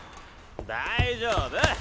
大丈夫！